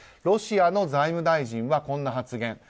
ロシアの財務大臣はこんな発言。